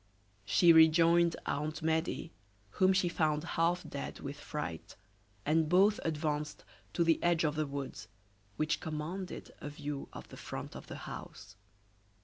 She rejoined Aunt Medea, whom she found half dead with fright, and both advanced to the edge of the woods, which commanded a view of the front of the house.